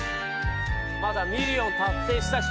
まだミリオン達成した人